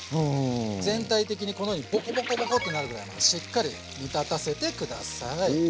全体的にこのようにボコボコボコってなるぐらいまでしっかり煮立たせてください。